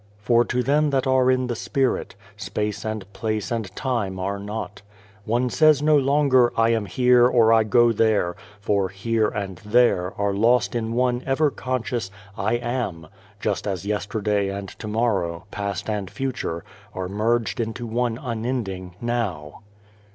For to them that are in the Spirit, Space and Place and Time are not. One says no longer, " I am here," or " I go there," for " Here " and "There" are lost in one ever conscious "I am," just as Yesterday and To morrow, Past and Future, are merged into one unending Now.